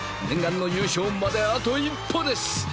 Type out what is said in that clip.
念願の優勝まであと一歩です。